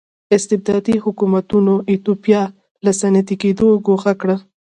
استبدادي حکومتونو ایتوپیا له صنعتي کېدو ګوښه کړه.